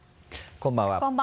こんばんは。